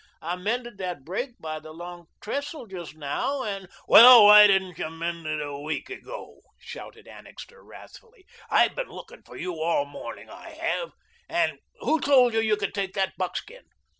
"I mended that break by the Long Trestle just now and "Well, why didn't you mend it a week ago?" shouted Annixter wrathfully. "I've been looking for you all the morning, I have, and who told you you could take that buckskin?